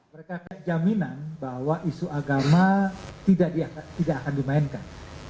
mereka jaminan bahwa isu agama tidak akan dimainkan